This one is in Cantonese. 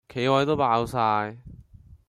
企位都爆哂